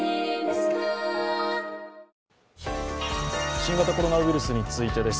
新型コロナウイルスについてです。